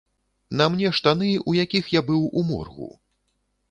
На мне штаны, у якіх я быў у моргу.